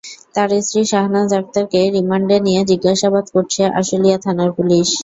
তাঁর স্ত্রী শাহনাজ আক্তারকে রিমান্ডে নিয়ে জিজ্ঞাসাবাদ করছে আশুলিয়া থানার পুলিশ।